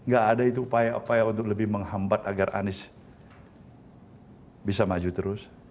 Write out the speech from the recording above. gak ada itu upaya upaya untuk lebih menghambat agar anies bisa maju terus